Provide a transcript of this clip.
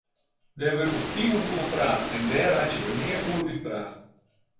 Dêr wurdt al iuwen oer praat en dêr reitsje we nea oer útpraat.